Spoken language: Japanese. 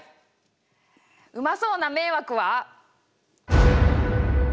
うまそうな「迷惑」は。